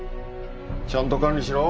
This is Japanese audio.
ちゃんと管理しろ。